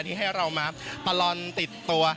ที่ให้เรามาประลอนติดตัว